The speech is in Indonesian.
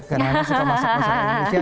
karena suka masak masak indonesia